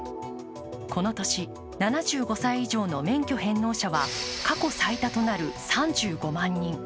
この年、７５歳以上の免許返納者は過去最多となる３５万人。